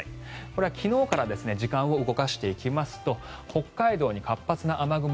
これは昨日から時間を動かしていきますと北海道に活発な雨雲